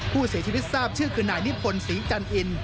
ผู้เสียชีวิตทราบชื่อคือนายนิพนธ์ศรีจันอิน